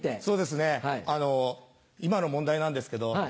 そうですねあの今の問題なんですけど。